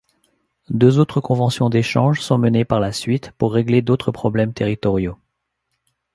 Deux autres conventions d'échanges sont menées par la suite pour régler d'autres problèmes territoriaux.